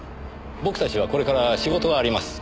僕たちはこれから仕事があります。